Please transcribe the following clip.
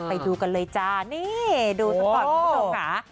ไปดูกันเลยจ้านี่ดูสะปอดทุกค่ะ